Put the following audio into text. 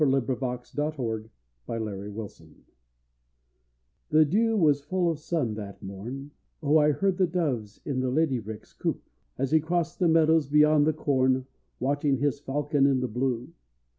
ON NE BADINE PAS AVEC LA MORT 1 The dew was full of sun that morn (Oh I heard the doves in the ladyricks coop!) As he crossed the meadows beyond the corn, Watching his falcon in the blue.